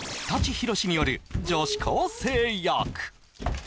ひろしによる女子高生役